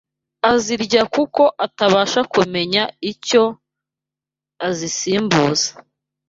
azirya kuko atabasha kumenya icyo azisimbuza